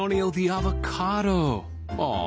ああ